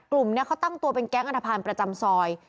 กลุ่มนี้เขาตั้งตัวเป็นแก๊งอันทภัณฑ์ประจำซอย